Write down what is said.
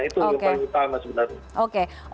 itu yang paling utama sebenarnya